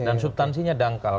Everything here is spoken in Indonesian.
dan subtansinya dangkal